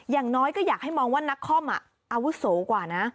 อย่างน้อยก็อยากให้มองว่านักคอมอาวุโสกว่านะ